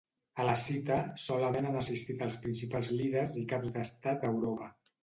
A la cita solament han assistit els principals líders i caps d'estat d'Europa.